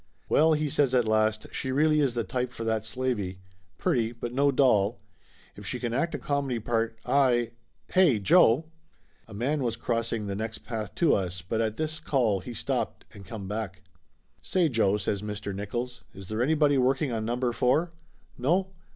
"Well," he says at last, "she really is the type for that slavey. Pretty, but no doll. If she can act a comedy part I Hey, Joe!" A man was crossing the next path to us, but at this call he stopped and come back. "Say, Joe," says Mr. Nickolls, "is there anybody working on Number Four? No?